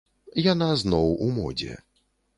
Яна зноў у модзе.